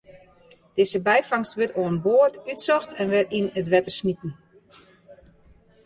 Dizze byfangst wurdt oan board útsocht en wer yn it wetter smiten.